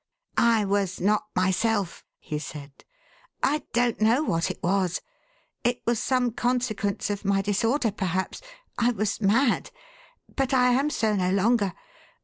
" I was not myself," he said. « I don't know what it was —it was some consequence of my disorder perhaps— I was mad. But I am so no longer.